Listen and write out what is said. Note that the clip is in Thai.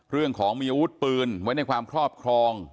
เรื่องของมีอาวุธปืนไว้ในความครอบครอง